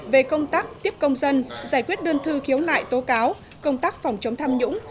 về công tác tiếp công dân giải quyết đơn thư khiếu nại tố cáo công tác phòng chống tham nhũng